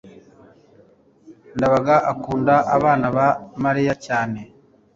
ndabaga akunda abana ba mariya cyane